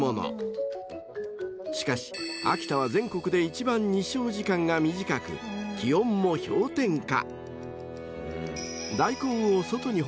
［しかし秋田は全国で一番日照時間が短く気温も氷点下］